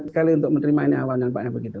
sekali untuk menerima ini awalnya paknya begitu